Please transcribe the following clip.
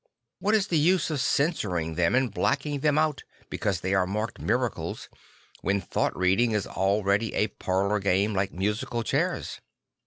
What is the use of censoring them and blacking them out because they are marked It miracles," when thought reading is already a parlour game like musical chairs?